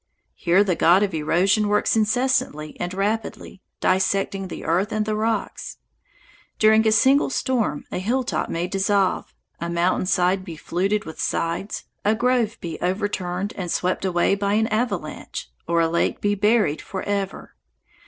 Here the god of erosion works incessantly and rapidly, dissecting the earth and the rocks. During a single storm a hilltop may dissolve, a mountain side be fluted with slides, a grove be overturned and swept away by an avalanche, or a lake be buried forever.